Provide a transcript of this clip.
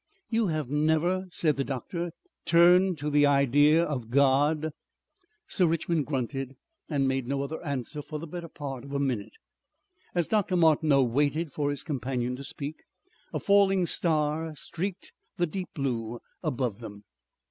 "You have never," said the doctor, "turned to the idea of God?" Sir Richmond grunted and made no other answer for the better part of a minute. As Dr. Martineau waited for his companion to speak, a falling star streaked the deep blue above them.